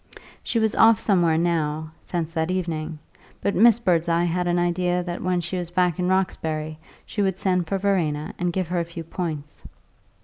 She was off somewhere now (since that evening), but Miss Birdseye had an idea that when she was back in Roxbury she would send for Verena and give her a few points.